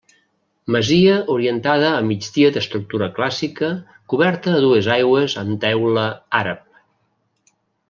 Masia orientada a migdia d'estructura clàssica coberta a dues aigües amb teula àrab.